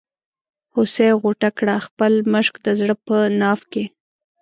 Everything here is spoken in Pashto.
هوسۍ غوټه کړه خپل مشک د زړه په ناف کې.